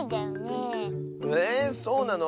えそうなの？